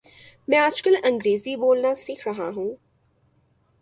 میں آج کل انگریزی بولنا سیکھ رہا ہوں